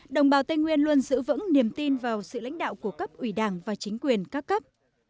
đồng bào tây nguyên luôn giữ vững niềm tin vào sự lãnh đạo của cấp ủy đảng và chính quyền các cấp